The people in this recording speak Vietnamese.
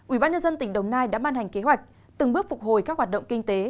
ủy ban dân tỉnh đồng nai đã ban hành kế hoạch từng bước phục hồi các hoạt động kinh tế